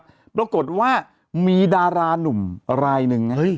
ทางนี้นะครับปรากฏว่ามีดารานุ่มรายหนึ่ง